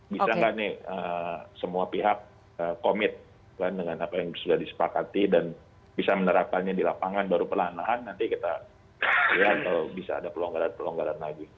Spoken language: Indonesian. bisa nggak nih semua pihak komit dengan apa yang sudah disepakati dan bisa menerapkannya di lapangan baru pelan lahan nanti kita lihat atau bisa ada pelonggaran pelonggaran lagi